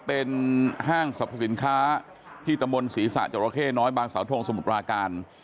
เป็นห้างสรรพสินค้าที่ตะมนต์ศรีษะจราเข้น้อยบางสาวทงสมุทรปราการ